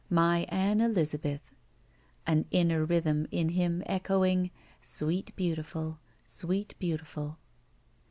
My Ann Elizabeth," an inner rhythm in him echoing: Sweet Beautiful. Sweet Beautiful.